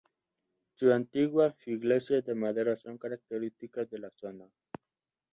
Su antiguas iglesias de madera son características de la zona.